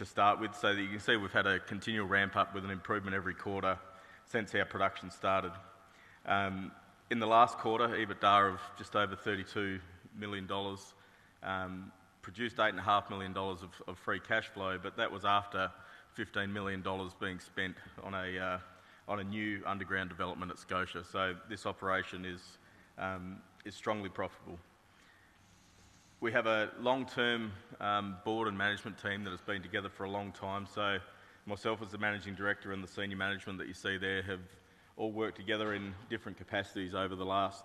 To start with, so that you can see we've had a continual ramp-up with an improvement every quarter since our production started. In the last quarter, EBITDA of just over 32 million dollars produced 8.5 million dollars of free cash flow, but that was after 15 million dollars being spent on a new underground development at Scotia. So this operation is strongly profitable. We have a long-term board and management team that has been together for a long time. So myself as the Managing Director and the senior management that you see there have all worked together in different capacities over the last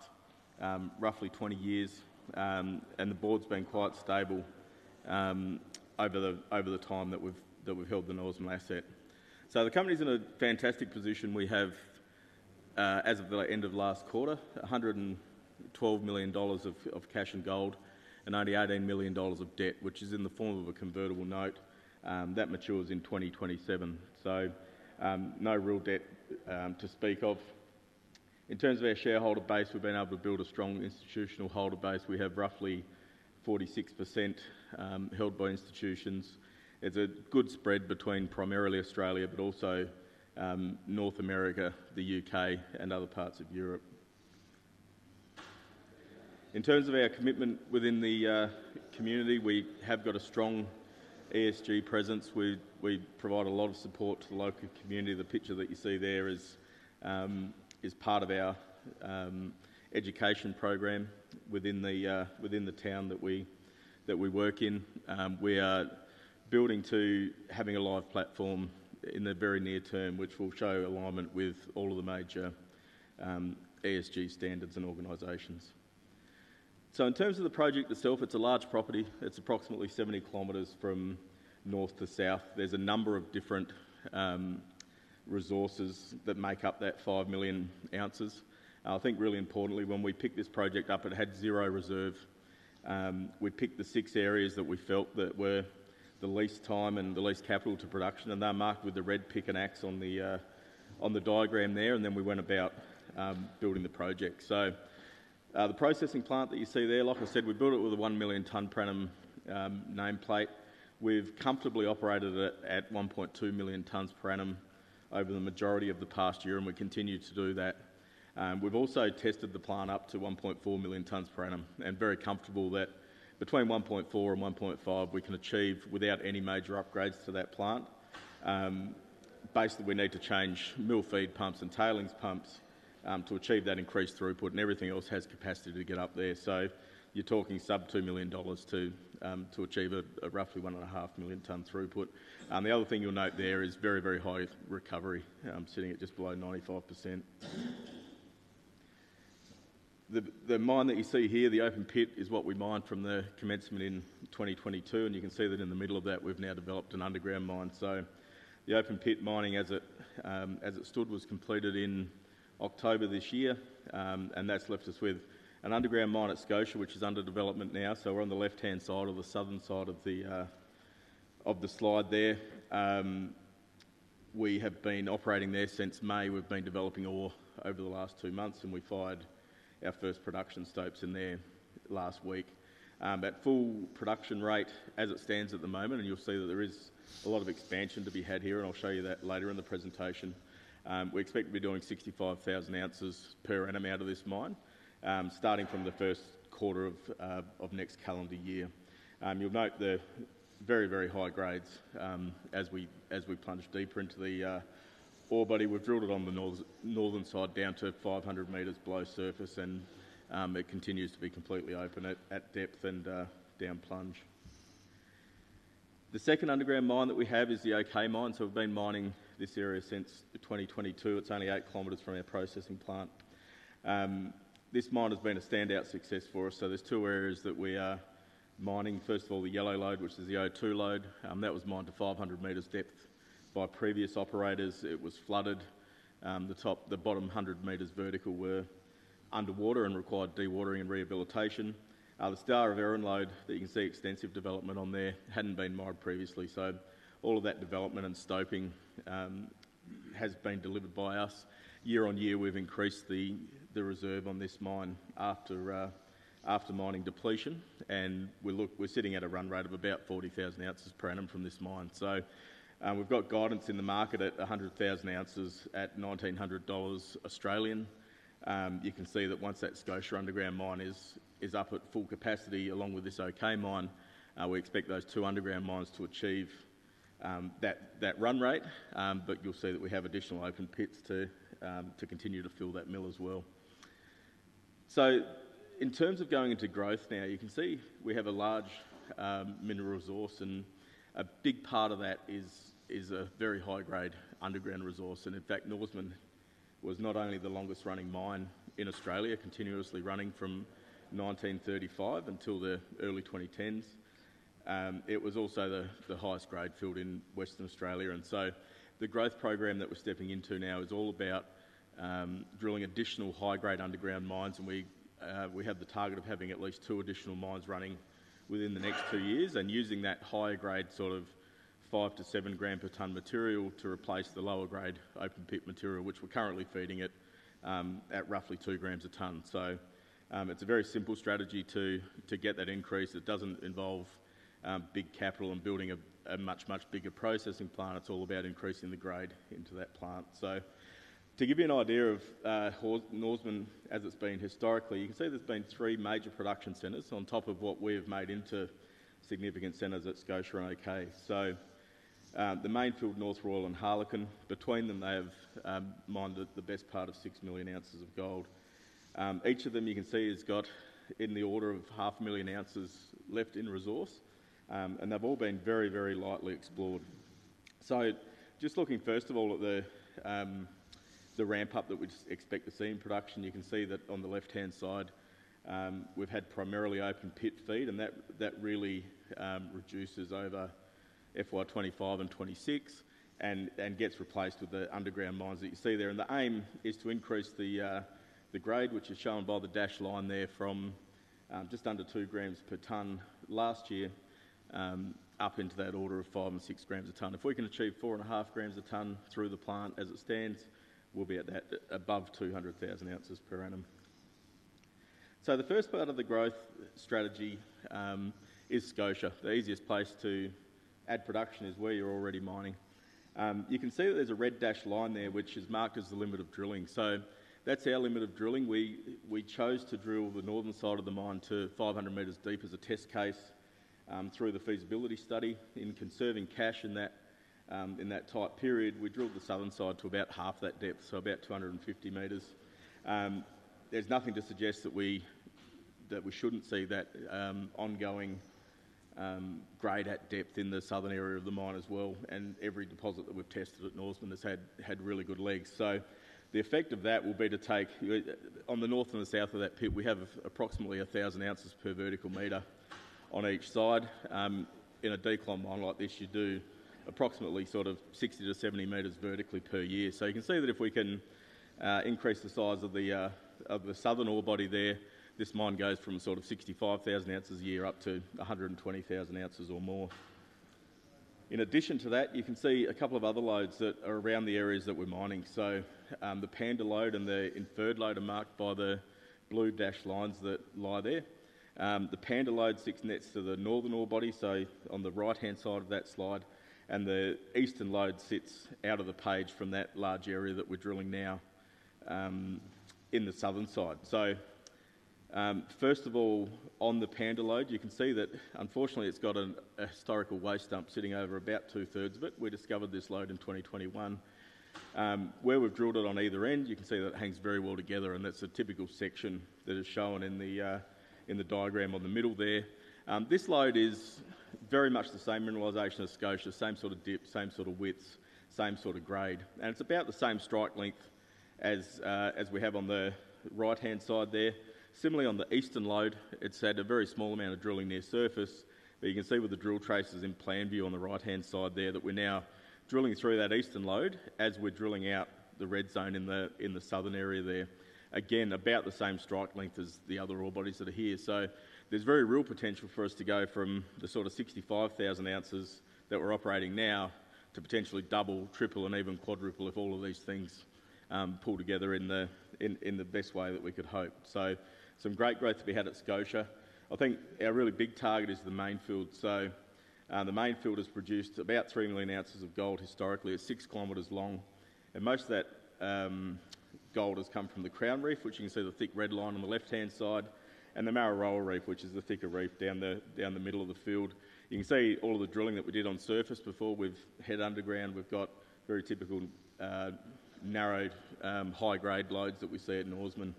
roughly 20 years, and the board's been quite stable over the time that we've held the Norseman asset. So the company's in a fantastic position. We have, as of the end of last quarter, 112 million dollars of cash and gold and only 18 million dollars of debt, which is in the form of a convertible note that matures in 2027. So no real debt to speak of. In terms of our shareholder base, we've been able to build a strong institutional holder base. We have roughly 46% held by institutions. It's a good spread between primarily Australia, but also North America, the U.K., and other parts of Europe. In terms of our commitment within the community, we have got a strong ESG presence. We provide a lot of support to the local community. The picture that you see there is part of our education program within the town that we work in. We are building to having a live platform in the very near term, which will show alignment with all of the major ESG standards and organizations. So in terms of the project itself, it's a large property. It's approximately 70 km from north to south. There's a number of different resources that make up that 5 million ounces. I think really importantly, when we picked this project up, it had zero reserve. We picked the six areas that we felt that were the least time and the least capital to production, and they're marked with the red pick and axe on the diagram there, and then we went about building the project. So the processing plant that you see there, like I said, we built it with a one million tonne per annum nameplate. We've comfortably operated at 1.2 million tonnes per annum over the majority of the past year, and we continue to do that. We've also tested the plant up to 1.4 million tonnes per annum and very comfortable that between 1.4 and 1.5 we can achieve without any major upgrades to that plant. Basically, we need to change mill feed pumps and tailings pumps to achieve that increased throughput, and everything else has capacity to get up there. So you're talking sub 2 million dollars to achieve a roughly 1.5 million tonne throughput. The other thing you'll note there is very, very high recovery, sitting at just below 95%. The mine that you see here, the open pit, is what we mined from the commencement in 2022, and you can see that in the middle of that we've now developed an underground mine. So the open pit mining, as it stood, was completed in October this year, and that's left us with an underground mine at Scotia, which is under development now. So we're on the left-hand side or the southern side of the slide there. We have been operating there since May. We've been developing ore over the last two months, and we fired our first production stopes in there last week. At full production rate, as it stands at the moment, and you'll see that there is a lot of expansion to be had here, and I'll show you that later in the presentation, we expect to be doing 65,000 ounces per annum out of this mine starting from the first quarter of next calendar year. You'll note the very, very high grades as we plunge deeper into the ore body. We've drilled it on the northern side down to 500 meters below surface, and it continues to be completely open at depth and down plunge. The second underground mine that we have is the OK Mine. So we've been mining this area since 2022. It's only 8 kilometers from our processing plant. This mine has been a standout success for us. So there's two areas that we are mining. First of all, the yellow lode, which is the O2 Lode. That was mined to 500 meters depth by previous operators. It was flooded. The bottom 100 meters vertical were underwater and required dewatering and rehabilitation. The Star of Erin Lode that you can see extensive development on there hadn't been mined previously. So all of that development and stoping has been delivered by us. Year on year, we've increased the reserve on this mine after mining depletion, and we're sitting at a run rate of about 40,000 ounces per annum from this mine. So we've got guidance in the market at 100,000 ounces at 1,900 Australian dollars. You can see that once that Scotia underground mine is up at full capacity along with this OK Mine, we expect those two underground mines to achieve that run rate, but you'll see that we have additional open pits to continue to fill that mill as well. So in terms of going into growth now, you can see we have a large mineral resource, and a big part of that is a very high-grade underground resource. And in fact, Norseman was not only the longest running mine in Australia, continuously running from 1935 until the early 2010s. It was also the highest grade field in Western Australia. And so the growth program that we're stepping into now is all about drilling additional high-grade underground mines, and we have the target of having at least two additional mines running within the next two years and using that higher grade sort of five to seven gram per tonne material to replace the lower grade open pit material, which we're currently feeding it at roughly two grams a tonne. So it's a very simple strategy to get that increase. It doesn't involve big capital and building a much, much bigger processing plant. It's all about increasing the grade into that plant. So to give you an idea of Norseman as it's been historically, you can see there's been three major production centers on top of what we have made into significant centers at Scotia and OK. The Main Field, North Royal and Harlequin, between them they have mined the best part of 6 million ounces of gold. Each of them you can see has got in the order of 500,000 ounces left in resource, and they've all been very, very lightly explored. Just looking first of all at the ramp-up that we expect to see in production, you can see that on the left-hand side we've had primarily open pit feed, and that really reduces over FY 2025 and 2026 and gets replaced with the underground mines that you see there. The aim is to increase the grade, which is shown by the dashed line there from just under two grams per tonne last year up into that order of five and six grams a tonne. If we can achieve 4.5 grams a tonne through the plant as it stands, we'll be above 200,000 ounces per annum. So the first part of the growth strategy is Scotia. The easiest place to add production is where you're already mining. You can see that there's a red dashed line there which is marked as the limit of drilling. So that's our limit of drilling. We chose to drill the northern side of the mine to 500 meters deep as a test case through the feasibility study. In conserving cash in that tight period, we drilled the southern side to about half that depth, so about 250 meters. There's nothing to suggest that we shouldn't see that ongoing grade at depth in the southern area of the mine as well, and every deposit that we've tested at Norseman has had really good legs. So the effect of that will be to take on the north and the south of that pit, we have approximately 1,000 ounces per vertical meter on each side. In a decline mine like this, you do approximately sort of 60-70 meters vertically per year. So you can see that if we can increase the size of the southern ore body there, this mine goes from sort of 65,000 ounces a year up to 120,000 ounces or more. In addition to that, you can see a couple of other lodes that are around the areas that we're mining. So the Panda Lode and the inferred lode are marked by the blue dashed lines that lie there. The Panda Lode sits next to the northern ore body, so on the right-hand side of that slide, and the Eastern Lode sits out of the page from that large area that we're drilling now in the southern side. So first of all, on the Panda Lode, you can see that unfortunately it's got a historical waste dump sitting over about two-thirds of it. We discovered this Lode in 2021. Where we've drilled it on either end, you can see that it hangs very well together, and that's a typical section that is shown in the diagram on the middle there. This Lode is very much the same mineralization as Scotia, same sort of depth, same sort of width, same sort of grade, and it's about the same strike length as we have on the right-hand side there. Similarly, on the Eastern Lode, it's had a very small amount of drilling near surface, but you can see with the drill traces in plan view on the right-hand side there that we're now drilling through that Eastern Lode as we're drilling out the red zone in the southern area there. Again, about the same strike length as the other ore bodies that are here. So there's very real potential for us to go from the sort of 65,000 ounces that we're operating now to potentially double, triple, and even quadruple if all of these things pull together in the best way that we could hope. So some great growth to be had at Scotia. I think our really big target is the Main Field. So the Main Field has produced about 3 million ounces of gold historically. It's six kilometers long, and most of that gold has come from the Crown Reef, which you can see the thick red line on the left-hand side, and the Mararoa Reef, which is the thicker reef down the middle of the field. You can see all of the drilling that we did on surface before we've had underground. We've got very typical narrow high-grade lodes that we see at Norseman.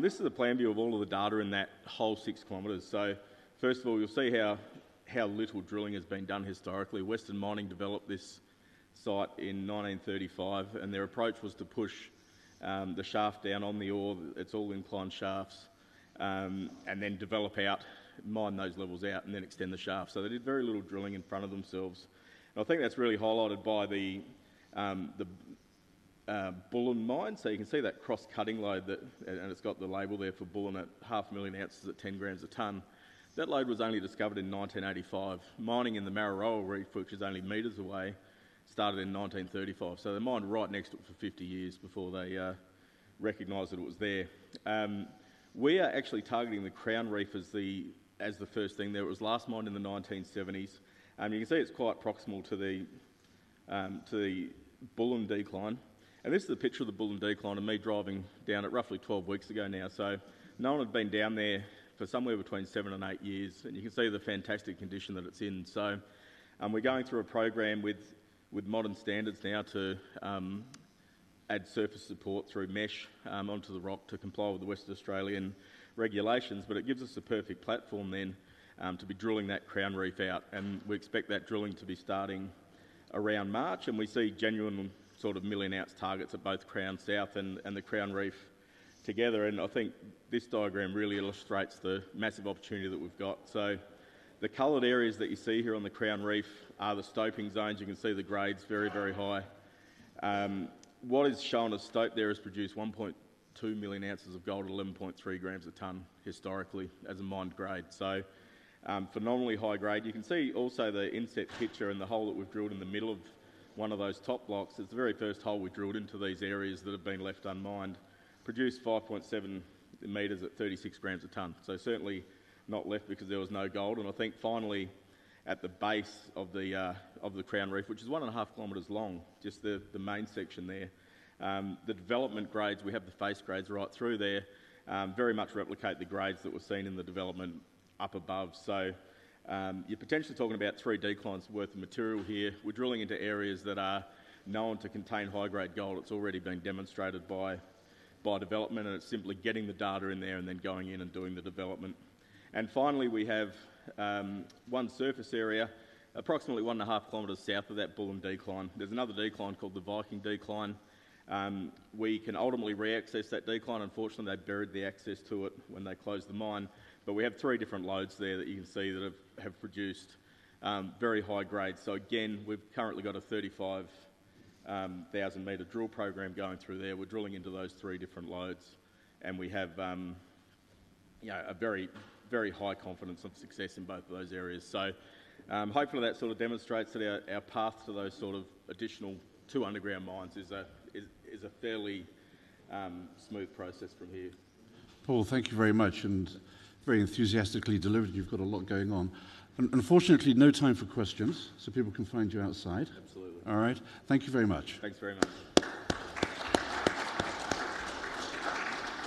This is the plan view of all of the data in that whole six kilometers. So first of all, you'll see how little drilling has been done historically. Western Mining developed this site in 1935, and their approach was to push the shaft down on the ore. It's all inclined shafts, and then develop out, mine those levels out, and then extend the shaft. So they did very little drilling in front of themselves. I think that's really highlighted by the Bullen Mine. So you can see that cross-cutting lode, and it's got the label there for Bullen at 500,000 ounces at 10 grams a ton. That lode was only discovered in 1985. Mining in the Mararoa Reef, which is only meters away, started in 1935. So they mined right next to it for 50 years before they recognized that it was there. We are actually targeting the Crown Reef as the first thing there. It was last mined in the 1970s. You can see it's quite proximal to the Bullen decline. And this is a picture of the Bullen decline and me driving down it roughly 12 weeks ago now. So no one had been down there for somewhere between 7 and 8 years, and you can see the fantastic condition that it's in. So we're going through a program with modern standards now to add surface support through mesh onto the rock to comply with the Western Australian regulations, but it gives us a perfect platform then to be drilling that Crown Reef out. And we expect that drilling to be starting around March, and we see genuine sort of million-ounce targets at both Crown South and the Crown Reef together. And I think this diagram really illustrates the massive opportunity that we've got. So the colored areas that you see here on the Crown Reef are the stoping zones. You can see the grades very, very high. What is shown as stope there has produced 1.2 million ounces of gold at 11.3 grams a tonne historically as a mined grade. So phenomenally high grade. You can see also the inset picture and the hole that we've drilled in the middle of one of those top blocks. It's the very first hole we've drilled into these areas that have been left unmined, produced 5.7 meters at 36 grams a ton. So certainly not left because there was no gold, and I think finally at the base of the Crown Reef, which is 1.5 kilometers long, just the main section there. The development grades we have, the face grades right through there very much replicate the grades that were seen in the development up above, so you're potentially talking about three declines worth of material here. We're drilling into areas that are known to contain high-grade gold. It's already been demonstrated by development, and it's simply getting the data in there and then going in and doing the development. And finally, we have one surface area approximately 1.5 kilometers south of that Bullen decline. There's another decline called the Viking decline. We can ultimately re-access that decline. Unfortunately, they buried the access to it when they closed the mine, but we have three different lodes there that you can see that have produced very high grades. So again, we've currently got a 35,000 meter drill program going through there. We're drilling into those three different lodes, and we have a very, very high confidence of success in both of those areas. So hopefully that sort of demonstrates that our path to those sort of additional two underground mines is a fairly smooth process from here. Paul, thank you very much and very enthusiastically delivered. You've got a lot going on. Unfortunately, no time for questions, so people can find you outside. Absolutely. All right. Thank you very much. Thanks very much.